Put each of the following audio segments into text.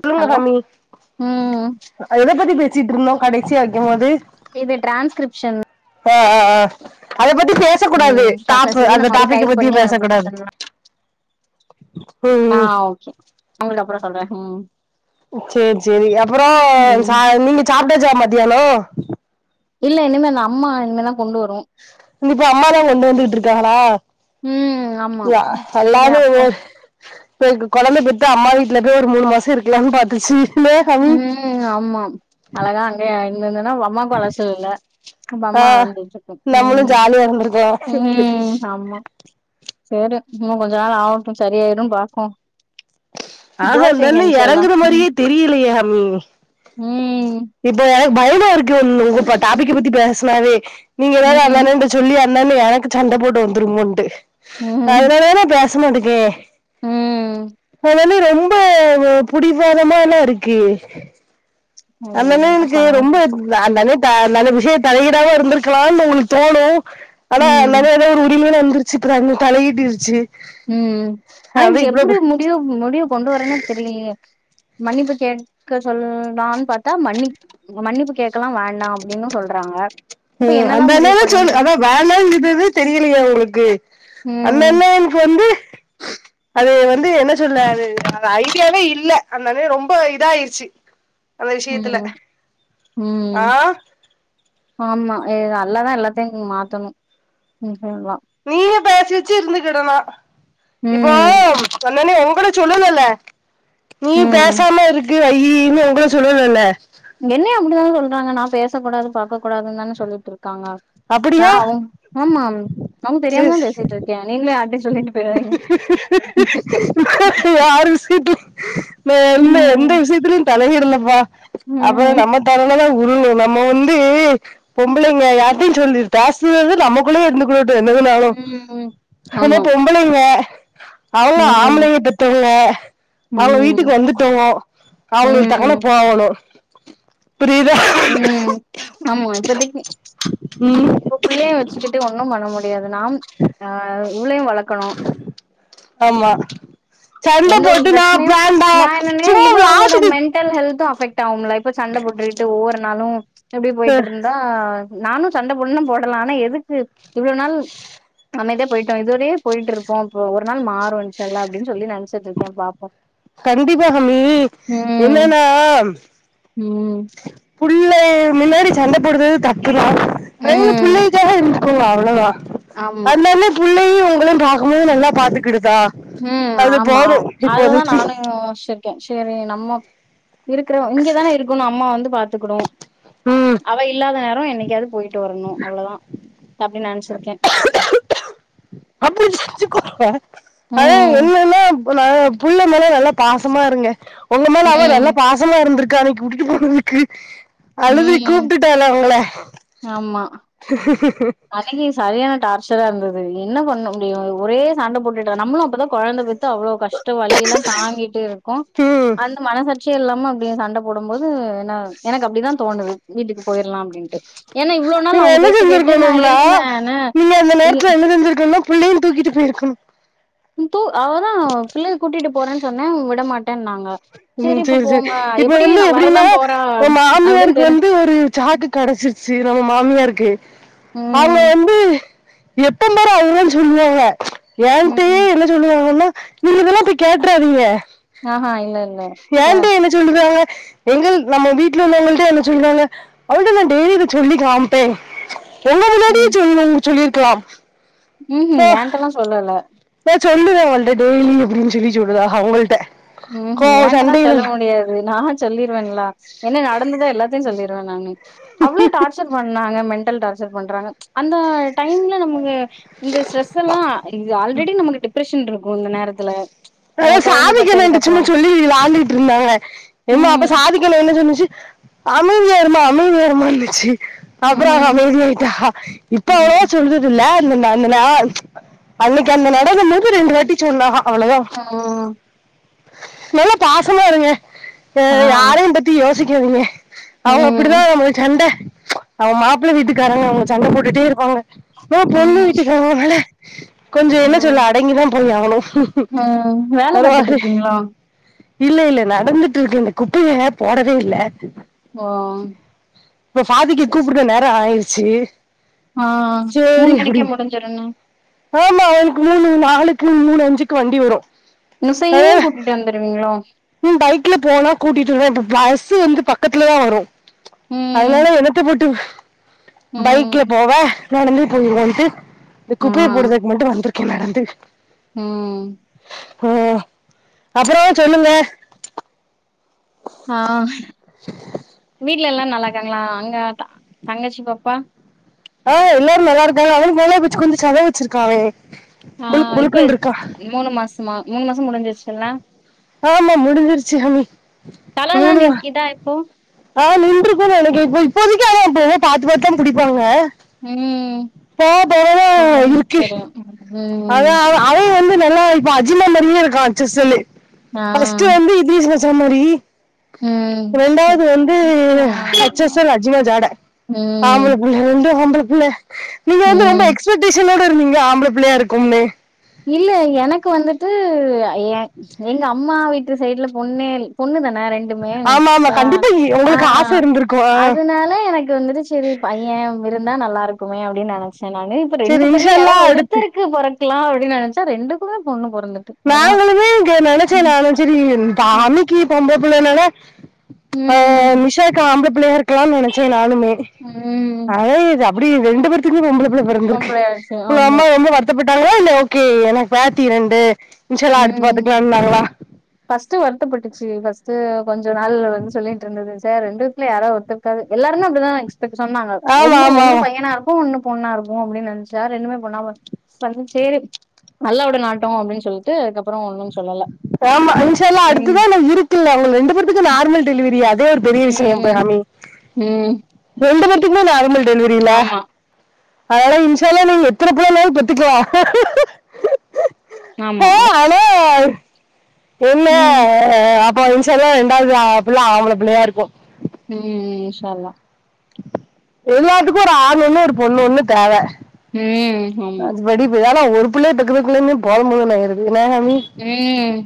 சொல்லுங்க ஹலோ ஹமி ம் எத பத்தி பேசிட்டுருந்தோம் கடசியா வைக்கும் போது இது டிரான்ஸ்கிரிப்ஷன் ஆ ஆ ஆ அத பத்தி பேசு பேசக்கூடாது டாப்பு மெசேஜ அந்த நம்ம அப்டியே டாப்பிக் பத்தி பேசக்கூடாது அ ஓகே உங்கள்ட்ட அப்றம் சொல்றேன் ம் சேரி செரி அப்புறோ ம் ச நீங்க சாப்டாச்சா மத்தியானொ இல்ல இனிமேன் அம்மா இனிமேனா கொண்டு வரு இப்ப அம்மாதா கொண்டு வந்துகுட்ருக்காங்களா ம் ஆமா ய சரி எல்லாமே ஒ அப்போ இப்ப எனக்கு கொழந்த பெத்து அம்மா வீட்டுல போய் ஒரு மூணு மாச இருக்கலானு பாத்தே சி இல்ல ஹவி ம் ஆமா அழகா அங்கேய இங்க இருந்துன்னா அம்மா அப்பா வசதில அப்ப ஆ அம்மா வந்துட்ருக்கு நம்மளு ம் ஜாலியா இருந்திருக்கலா ம் ஆமா சரி இன்னு கொஞ்ச நாள் ஆகட்டு சரி ஆயிடு பாப்போ துவா ஆக செய்ங்க தானே இன்ஷா அல்லாஹ் எறங்குற ம் மாரியே தெரியலையே ஹமி ம் இப்போ பயமா இருக்கு ம் நிங்க ப டாபிக்க பத்தி பேச்னாவே நீங்க வேற அந்த ம் அண்ணாகிட்ட ச் சொல்லி அந்த அண்ண எனக்கு சண்ட போட்டு வந்துருமோண்டு ம் அதனால தான பேச மாட்டேக்கே ம் அது ரொம்ப புடிவாதமால்ல இருக்கு ம் அதெல்லா என்ன எனக்கு பண்ண ரொம்ப நா நெறைய தா நல்ல விஷய தலையிடாம இருந்திருக்கலானு உங்களுக் தோணு ஆனா ம் நறைய ஒரு உரிமனு வந்துருச்சு இப்போ தங்கு தலையிட்டிருச்சு ம் ஆனா இது எப்டி உங்ககிட்ட முடிவு முடிவு கொண்டு வரேன்னே தெரிலயே மன்னிப்பு கேட்க சொல்லான்னு பாத்தா மன்னி மன்னிப்பு கேக்கலா வேண்டா அப்டின்னு சொல்றாங்க அப்ப ஹும் என்னதா அந்த என்னா முடிவு தா பண்ணனு சொல் தெர்ல அதா வேணா சொல்றது தெரிலையா உங்களுக்கு அந்த ம் அண்ண எனக்கு வந்து அது வந்து என்ன சொல்ல அது ஐடியாவே இல்ல அந்த அண்ண ரொம்ப இதா ஆயிடுச்சு அந்த விஷியத்துல ம் ஆ ம் ஆமா ஏ அல்லாதா எல்லாத்தையு மாத்தணு ம் சொல்லலா நீயே பேசி வெச்சு இருந்துக்கிடனோ இப்போ ம் அண்ணனே உங்கள சொல்லல்லல நீ ம் பேசாம இரு க்கு ஐயுன்னு உங்கள சொல்லலல என்ன அப்டித்தானே சொல்றாங்க நா பேசக் கூடாது பாக்க கூடாதுன் தானே சொல்ட்டுருக்காங்க நா அப்படியா அவுங் ஆமா நானு தெரியாம தா பேசிட்டு இருக்கே நீங்களோ யாருட்டயு யாருக்கு சீட்டு நா என்ன எந்த ம் விஷயத்துலயு தலையிடலப்பா அப்புறோ ம் நம்ம தல தா உருளு நம்ம வந்து பொம்பளைங்க யார்டியு சொல்லி ஜாஸ்திது நமக் குள்ளயே இருந்துகுடட்டோ என்னதா நாலு ம். எனா ஆமா. பொம்பளைங்க அவங்க ம். ஆம்பளைய பெத்தவங்க அவங்க வீட்டுக்கு ம். வந்துட்டோங்கோ அவங்க டக்குனு ம். போகணு புரியுதா ம் ஆமா இப்பத்திக்கு ம் இப்ப பிள்ளைய வெச்சுக்கிட்டு ஒன்னு பண்ண முடியாது நாம் ஆ இவளையு வளக்கணு ஆமா சண்டை எந்த ஒரு போட்டு நான் பிரச்சனையு வேண்டாம் நா என்னன்ன சும்மா இவளோட விளாட்டுக்கு மெண் டல் ஹெல்து அஃபெக்ட் ஆகும்லா இப்ப சண்ட போட்டுக்கிட்டு ஒவ்வொரு நாளு இப்டி போயிட்டு அஹ் இருந்தா நானு சண்ட பொடன்னு போடலா ஆனா எதுக்கு இவ்ளோ நாள் அமைதியா போயிட்டோ இதுவரையு போயட்டு இருப்போ இப்போ ஒரு நாள் மாறு இன்ஷா அல்லா அப்டின் சொல்லி நெனச்சிட்டு இருக்கே பாப்போ கண்டிப்பா ஹமி என்னன்னா ம் புள்ளே முன்னாடி சண்ட போடுறது தப்புதா நம்மளு ம். புள்ளைக்காக இருக்கு அவ்ளோதா ஆமா. அந்தாலே புள்ளையு உங்களையு பாக்கும்போது நல்லா பாத்துக்கிடுதா ம் அது ஆமா போது அததுதா இப்போதைக்கு நானு யோசிச்சுக்கே சேரி நம்ம இருக்கிற இங்கதான இருக்கணு அம்மா வந்து பாத்துக்குடு ம் அவ இல்லாத நேர என்னிக்காவது போய் ட்டு வரணு அவ்ளதா அப்டின் நெனச்சிருக்கே பாப்போ அப்டி செஞ்சுகோங்க அதே ம் என்னன்னா நா புள்ள மேல நல்ல பாசமா இருங்க உங்க மேல அவ நல்ல ம் பாச ஷ்டமா இருந்திருக்கா அன்னைக்கு வுட்டுட்டு போனதுக்கு அழுது ம் கூப்ட்டுட்டால வுங்கள ஆமா அன்னைக்கு சரியான டார்ச்சரா இருந்தது என்ன பண்ண முடியு ஒரே சண்ட போட்டுட்டு நம்மளு அப்பதா கொழந்த பெத் து அவ்ளவு கஷ்ட வழிய எல்லா தாங்கிட்டு இருக்கோ ம் அந்த மனசட் விசய இல்லாம அப்டிய சண்ட போடும் போது என்ன எனக்கு அப்டிதா தோணு வீட்டுக்கு போயிலா அப்டின்ட்டு ஏனா இவ்ள நாள் நா அவங்க பேச்ச கேட்டு நா வேணும்னா இருந்தேன்னு நீங்க அந்த நேரத்துல என்ன செஞ்சிருக்கனுனா புள்ளயு தூக்கிட்டு போயிருக்கணு தூ அவதா பிள்ளைய கூட்டிட்டு போறேனு சொன்ன விடமாட்டேனாங்க ம் சரி சரி இப்ப வந்து எப்டினா வரதான் போறா இப்ப அப்படின்னு மாமியாருக்கு தெரி வந்து ஒரு சாக்கு கடசிருச்சு நம்ம மாமியாருக்கு அவங்க ம். வந்து எப்பம் பாரு அவங்களு சொல்லுவாங்க ம். எங்கிட்டயே என்ன சொல்லுவாங்கனா நீங்க இதெல்லா போய் கேட்றாதீங்க ஆஹா இல்ல இல்ல ச்ச. ஏங்கிட்டயே என்ன சொல்லுதாங்க எங்க நம்ம வீட்ல உள்ளவங்கள்டயே என்ன சொல்லுதாங்க அவளிட்ட நா டெய்லி இத சொல்லி காமிப்பே எங்க ம் சொல்ல உங் சொல்லிருக்கலாம் ம் ம் ஏன்டெல்லா சொல்லல ஏ சொல்லுத அவங்கள்ட்ட டெய்லியு அப்டினு சொல்லி சொல்லுதாக உங்கள்ட ம்ஹீ ஏன்டல்லா சொல்ல முடியாது நான் சொல்லிருவன்லா என்ன நடந்ததா எல்லாத்தையு சொல்லிறுவ நானு அவ்ளோ டார்ச்சர் பண் நாங்க மெண்டல் டார்ச்சர் பன்றாங்க அந்த டைம் ல நமக்கு இந்த ஸ்ட்ரெஸ் எல்லா இது ஆல்ரெடி நமக்கு டிப்ரெஷன் இருக்கு இந்த நேரத்துல அ கொழந்த பெத் த்தண்ணன்ட சும்மா சொல்லி விளாண்டுட்டு இருந்தாங்க ஏமா அப்ப ம். சாதிக்கணு என்ன சொன்னுச்சு அமைதியா இருமா அமைதியா இருமானுச்சி அப்புற அவ ம். அமைதியாயிட்டா இப்ப ம். அவளோ சொல்லு ல அந்த அந்த ந அன்னைக்கு அந்த நடந்த போது ரெண்டு வாட்டி சொன்னாக அவ்ளோதா ஓ நல்லா பாசமா இருங்க அ ஆ யாரையு பத்தி யோசிக்காதீங்க அவங்க அப்படிதா ம் அவமளு சண்ட அவங்க மாப்பிள்ள விட்டுக்காரங்க அவங்க சண்ட போட்டுட்டே இருப்பாங்க நா பொண்ணு ம் வீட்டுக்காரங்கனால கொஞ்ச என்ன ம் சொல்ல அடங்கிதா போய் ஆகனு ம் வேல பாத்துட்டு பரவால்ல இருக்கீங்களா இல்ல இல்ல நடந்துட்டு இருக்க இந்த குப்பய போடவே இல்ல ஓ இப்ப ஃபாதிக்க சரி கூப்புடுத நேர ஆயிடுச்சு ஆ மூணு மணிக்கே முடிஞ்சிடுண்ண ஆமா அவனுக்கு மூணு நாளுக்கு மூணு அஞ்சுக்கு வண்டி வரு நுசையே கூட்டிட்டு வந்துருவீங்களோ ம் பைக்ல போனா கூட்டிட்டுறுவ இப்ப பஸ்ஸு வந்து பக்கத்துல தா வரு ம் அதனால என்னத்த போட்டு பைக்ல ம் போவ நடந்து போயிருவேன்ட்டு இந்த ஆ குப்பைய போட்றதுக்கு மட்டு வந்திருக்கே நடந்து ம் ஓ அப்றோ சொல்லுங்க ஆ வீட்ல எல்லா நல்லா இருக்காங்லா அங்க தங்கச்சி பாப்பா ஆ எல்லாரு நல்லா இருக்காங்க அதா மோனா குச்சி குஞ்சி செத வெச்சிருக்காவே ஆ இப்ப மூணு மாசமா மூணு மாசோ முடிஞ்சிட்சி இல்ல ஆமா முடிஞ்சகடுச்சி அமி தலல்லா மூணு மா நீக்கிதா இப்போ ஆ நின்றுகோ நெனைக்க இப்போ இப்போதைகே அவப் இப்ப பாத்து பாத்து பாத்து தா புடிப்பாங்க ம் போவ போவ தா இருக்கு தெரியு அதா ம் அவ அவ வந்து நல்லா இப்ப அஜினா மாரியே இருக்கா அச்சு அசலு ஆ ஃபர்ஸ்ட் வந்து இதிஷாசம் மாரி ம். ரெண்டாது வந்து ஆ அச் அசல் அஜ்வா ஜாட ஆம்பள ம், புள்ள ரெண்டோ ஆம்பள புள்ள நீங்க வந்து ரொம்ப ம். எக்ஸ்பெக்டேஷனோட இருந்தீங்கலே ஆம்பள புள்ளையா இருக்கும்னு இல்ல எனக்கு வந்துட்டு எ எங்க அம் அம்மா வீட்டு சைட்ல பொண்ணே பொண்ணு தானே ரெண் ரெண்டுமே ஆமா ஆமா கா கண்டிப்பா இ- ஆ உங்களுக்கு ஆசை இருந்திருக்கும் ஆ. அதுனால எனக் கு வந்துட்டு சேரி பைய விருந்தா நல்லா இருக்குமே அப்டின்னு நெனைச்ச நானு சரி ரெண்டு பேர்ல இன்ஷால்லா யாராது அடுத்து ஒர்த்தருக்கு பொறக்கலா அப்டின் நெனைச்சா ரெண்டுக்குமே பொண்ணு பொறந்துட்டு அதான். நாங்களுமே இங்க நெனைச்ச ம், நானு செரி பா ம், அமிக்கு பொம்ப புள்ள நால ஆ ம், நிஷக்கு ஆம்பள புள்ள இருக்கலாம்னு நெனைச்ச நானுமே ம். அதே இத இப்டி ரெண்டு பேருக்குமே பொம்பள பிள்ள பொறந்திருக்கு பொம்பளையாச்சு. உங்க ஆமா. அம்மா ரொம்ப வருத் வருத்தபட்டாங்ளா இல்ல ஓ கே எனா பாத்தி இரண்டு இன்ஷா அல்லா அடுத்து பாத்துக்கலா இன்னாங்ளா ஃபர்ஸ்ட் வருத்தப்பட்டுச்சி ஃபர்ஸ்ட்டு கொஞ்ச நாள் வந்து சொல்லிட்டு இருந்தது ச ரெண்டுத்துல யாரா ஒரு இருக்காது எல்லாருமே அப்டிதா எக்ஸ்பேட் சொன்னாங்க ஆமா ஒன்னு ஆமா ஒன்னு ஆமா பையனா இரு இப்போ ஒன்னு பொண்ணா இருக்கு அப்டின்னு நெனச்சா ரெண்டுமே பெண்ணா பொறந் சென்னா சேரி அல்லாவோடு நாட்டோ அப்புடின்னு சொல்லிட்டு அதுக்கப்றோ ஒன்னு சொல்லல ஆமா இன்ஷா அல்லா ம் அடுத்துதா நாம் இருக்குல்ல உங்க ரெண்டு பேத்துக்கு நார்மல் டெலிவரி அது அதே ஒரு பெரிய விஷயோ பா ம் ஹாமி ம் ரெண்டு பேத்துக்குமே நார்மல் டெலிவரில ஆமா அதனால இன்ஷா அல்லா நீங்க எத்தன புள்ளனாலு பெத்துக்கலா ஆமா ஆனால் என்ன ம் அப்ப இன்ஷா அல்லா ரெண்டாது புள்ள ஆப்பள புள்ளையா இருக்கோ ம் ம் ம் இன்ஷா அல்லாஹ் எல்லாத்துக்கு ஒரு ஆண் ஒன்னு ஒரு பொண்ணு ஒன்னு தேவ ம் ஆமா அது படி இப்ப எல ஒரு புள்ளைய பெக்குறதுக்குள்ளையுமே போது போதுன்னு ஆயிடுது இன்னா ஹமி ம்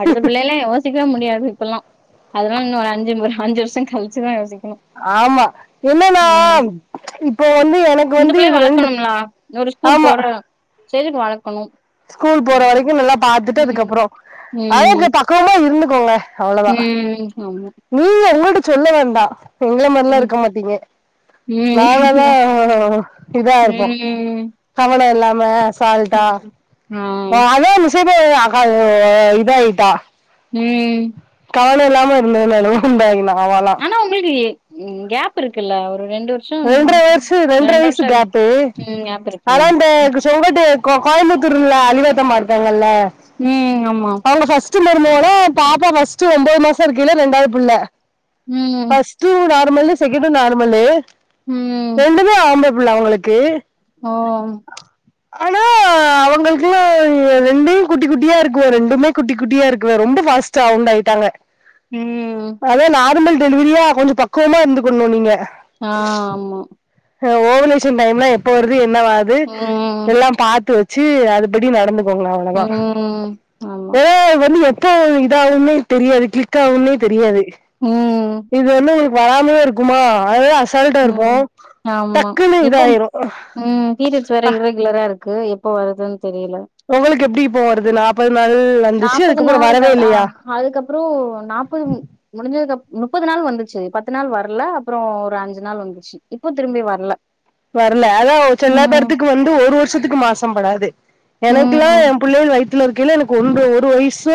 அடுத்த பிள்ளைலா யோசிக்கவே முடியாது இப்பெல்லா அதனால இன்னு ஒரு அஞ்சு ஒரு அஞ்சு வருசோ கழிச்சி தா யோசிக்கணு ஆமா என்னனா ம் இப்போ வந்து எனக்கு வந்து இது ரெண்டு இன்னொரு ஸ்கூல் ஆமா போற ஸ்டேஜுக்கு வளக்கனும் ஸ்கூல் போற வரைக்கு நல்லா பாத்துட்டு அதுக்கப்பறௌ அதையு ம் கேட்டா பக்குவமா இருந்துகோங்க அவ்ளோதா ம் ஆமா நீங்க உங்ககிட்ட சொல்ல வேண்டா எங்களா மாரில்லா ம் இருக்க மாட்டீங்க நாங்கதா ம் இதா இருப்போ ம் கவல இல்லாம அசால்டா ம் ஆ இப்ப அதுதா மிசிபா அக்கா இதா ஆயிட்டா ம் கவல இல்லாம இருந்தே நானு உண்டாகி நா ஆவலா இன்னா உங்களுக்கி ம் கேப் இருக்குல்ல ஒரு ரெண்டு வர் ரெண்டரை வயசு ரெண்டரை வயசு கேப்பு ம் கேப் இருக்குல்ல ஆனா இந்த செங்கோட்டை கோ கோயம்புத்தூர்ல அலிவாத்தம்மா இருங்காங்கல்ல ம் ஆமா அவுங்க ஃபர்ஸ்டு மருமவளு பாப்பா ஃபர்ஸ்டு ஒம்போது மாசோ இருக்கைலயே ரெண்டாவது புள்ள ம் டு நார்மலு செகேண்டு நார்மலு ம் ரெண்டுமே ஆம்பள புள்ள அவுங்களுக்கு ஓ ஆனா அவுங்களுக்கலா ரெண்டு குட்டி குட்டியா இருக்குவே ரெண்டுமே குட்டி குட்டியா இருக்குவே ரொம்ப ஃபாஸ்ட் டா வுண்டாய்டாங்க ம் அதே நார்மல் டெலிவரியா கொஞ்சோ பக்குவமா இருந்துக்கணு நீங்க ஆ ஆமா அ ஓவுலேஷன் டைம் லா எப்ப வருது என்னவாது ம் எல்லா பாத்து ச்சு அதுபடி நடந்துக்கோங்களே அவ்ளோதா ம் ஆமா ஏ வண்ணி எப்ப இதாவும்னே தெரியாது கிளிக் ஆவும்னே தெரியாது ம் இது என்ன ஒங்களுக்கு வராமதே இருக்குமா அததா அசால்டா இருப்போ ம் ஆமா டக்குன்னு இப்போ இதாயிரு ம் பீரியட்ஸ் வேற அ இர்ரெகுலரா இருக்கு எப்போ வருதுன் தெரில ஒங்களுக்கு எப்டி இப்போ வருது நாப்பது நாள் வந்துச்சு அதுக்கப்பறோ வரவே இல்லயா அதுக்கப்பறோ நாப்பது முடிஞ்சதுக்கப் முப்பது நாள் வந்துச்சு பத்து நாள் வரல அப்பறோ ஒரு அஞ் சு நிள் வந்துச்சு இப்போ திரும்பி வர்ல வர்ல அதா செல்ல ம் பேர்த்துக்கு வந்து ஒரு வருஷத்துக்கு மாசம்படாது எனக்குல்லா ம் எ புள்ளைகள் வயித்துல இருக்கேல எனக்கு ஒன்ற ஒரு வயசு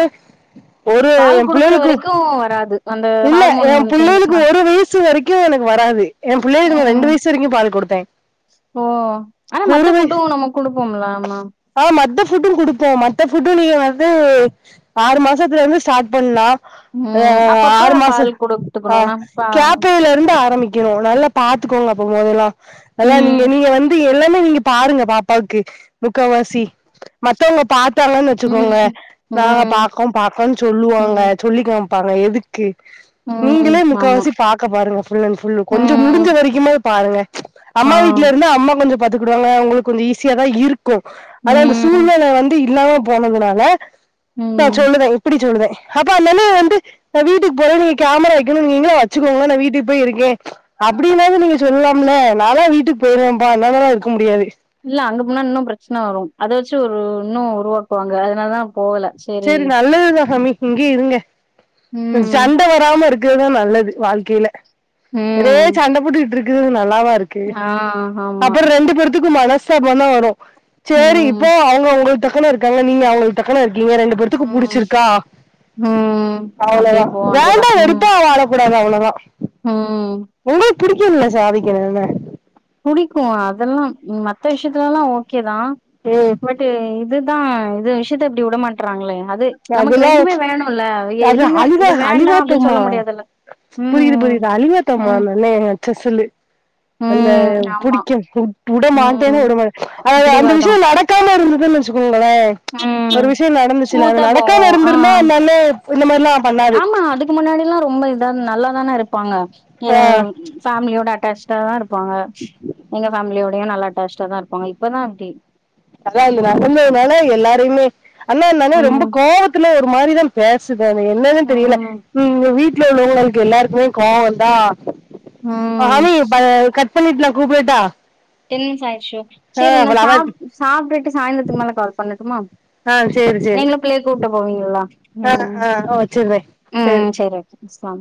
ஒரு எ பால் குடுக்குற புள்ளைகளுக்கு வரைக்கு வராது அந்த இல்ல ஹார்மோன் எ புள்ளைகளுக்கு சேஞ்சஸ்னால ஒரு வயசு வரைக்கு எனக்கு வராது எ புள்ளைகளுக்கு நா ரெண்டு ம் வயசு வரைக்கு பால் குடுத்தே ஓ ஆனா ஒரு மத்த ஃபுட்டு வயசு நம்ம குடுப்போமுல்ல ஆமா ஆ மத்த ஃபுட்டு குடுப்போ மத்த ஃபுட்டு நீங்க வந்து ஆறு மாசத்துல இருந்து ஸ்டார்ட் பண்லா அ ம் அப்பப்ப ஆறு மாச பால் ஆ குடுத்துக்கணுனா பா கேப்பையில இருந்து ஆரம்மி கனு நல்லா பாத்துக்கோங்க அப்ப போதெல்லா அதல்லா நீங்க ம் நீங்க வந் து எல்லாமே நீங்க பாருங்க பாப்பாவுக்கு முக்காவாசி மத்தவுங்க பாத் தாங்கன் வச்சுக்கோங்க ம் நாங்க ம் பாக்கோ பாக்கோன் சொல்லுவாங்க ம் சொல்லி காமிப்பாங்க எதுக் கு ம் நீங்களே ஆமா முக்காவாசி பாக்க பாருங்க ஃபுல் அண்ட் ஃபுல்லு கொஞ்சோ ம் முடுஞ்ச வரைக்குமாது பாருங்க அம்மா ஆ வீட்ல இருந்தா அம்மா கொஞ்சோ பாத்துக்குடுவாங்க ஒங்களுக்கு கொஞ்சோ ஈஸியா தா இருக் கு அதா அந்த ம் சூழ்நில வந்து இல்லாம போனதுனால நா ம் சொல்லுதே அப்புடி சொல்லுதே அப்ப அந்தண்ணே வந்து நா வீட்டுக்கு போறே நீங்க கேமரா வைக்கணு நீங்களே வச்சுக்கோங்களே நா வீட்டுக்கு போய் இருக்கே அப்டின்னாவது நீங்க சொல்லலாமுல்ல நாலா வீட்டுக்கு போயிருவேன்ப்பா என்னாலலா இருக்க முடியாது இல்ல அங்க போனா இன்னோ பிரச்சன வரு அத வச்சு ஒரு இன்னோ உருவாக்குவாங்க அதனால தா சேரி நல்லதுதா ஹமி இங்கேயே இருங்க ம் சண்ட வராம இருக்குறதுதா நல்லது வாழ்க்கையில ஒரே ம் சண்ட போட்டுக்கிட்டு இருக்குறது நல்லாவா இருக்கு ஆ ஆமா அப்பற ரெண்டு பேருத்துக்கும் மனசு சாதப வரு சேரி ம் இப்போ அவங்க உங்களுக்கு தக்கன்ன இருக்காங்க நீங்க அவங்களுக்கு தக்கன்ன இருக்கீங்க ரெண்டு த்துக்கு ம் புடிச்சிருக்கா ம் அவ்ளோதா அப்டியே போ வேண்டியதா வேண்டா ம் வெறுப்பா வாழ கூடாது அவ்ளோதா ம் உங்களுக்கு புடிக்குள்ள சாதிக் அண்ணன புடிக்கு அதல்லா மத்த விஷயத்துலல்லா ஓகே தா ம் இது இதுதா இந்த விஷயத்த இப்டி விடமாட்றாங்களே அது நமக்கு அதெல்லா ரெண்டுமே வேணும்ல்ல அது எதுமே இது வேண்டா அப்டின்னு சொல்ல முடியாதுல்ல புரிது ம் புரிது அலிவாத்தம்மா ம் நல்லவங்க நெனச்சா சொல்லு அந்த ம் ஆமா புடிக்கும் உட மாட்டேன் ம் உட மாட் அந்த பிடிவாதோ விஷய நடக் நடக்காம இருந்துன்னு வச்சுக்கோங்களே ம் ஒரு விஷய நடந்துச்சு நாங்க ஸ்மூத்தா நடக்காம போவும் ஆ இருந்துருந்தா என்னால இந்த மாதிரிலா ஆமா அதுக்கு முன்னாடி எல்லா ரொம்ப இதா நல்லாதான இருப்பாங்க ஆ யவ் ஃபேமிலியோட அட்டாச்டா தா இருப்பாங்க எங்க ஃபேமிலியோடையும் நல்லா அட்டாச்டா தா இருப்பாங்க இப்பதா அப்டி அதா இது நடந்ததுனால எல்லாரையுமே அண்ணா என்னனா ரொம்ப ம் கோபத்துல ஒரு மாதிரிதா பேசுது அது என்னன்னு தெரில ம் உங்க வீட்டுல உள்ளவங்களுக்கு எல்லாருக்குமே கோவந்தா ம் ஹமி ப கட் பண்ணிட்டு நா கூப்டட்டா டென் மினிட்ஸ் ஆயிடுச்சோ ஆ சேரி நா சா லெவன் சாப்ட்டுட்டு சாய்ந்திரத்துக்கு மேல கால் பண்ணட்டுமா ஆ சேரி சேரி நீங்களு பிள்ளைய கூட்டு போவீங்களா ஆ ம் ஆ வச்சிர்றே ம் சேரி ஓகே சா